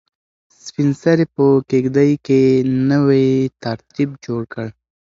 سپین سرې په کيږدۍ کې نوی ترتیب جوړ کړ.